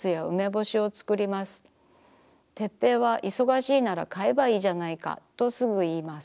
テッペイは忙しいなら買えばいいじゃないかとすぐいいます。